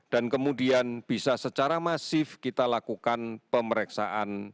dan kemudian bisa secara masif kita lakukan pemeriksaan